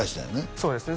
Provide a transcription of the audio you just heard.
そうですね